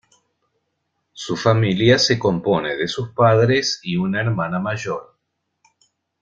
Su familia se compone de sus padres y una hermana mayor.